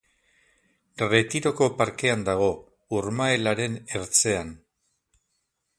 Retiroko parkean dago, urmaelaren ertzean.